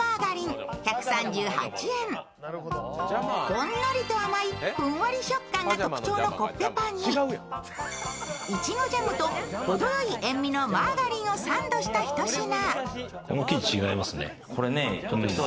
ほんのりと甘いふんわり食感が特徴のコッペパンにいちごジャムとほどよい塩味のマーガリンをサンドしたひと品。